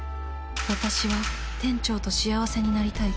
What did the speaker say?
私は店長と幸せになりたい。